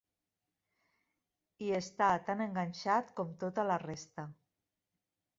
Hi està tan enganxat com tota la resta.